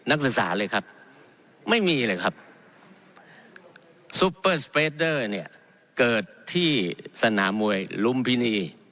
นักศึกษาเลยครับไม่มีเลยครับเนี่ยเกิดที่สนามวยลุมพินี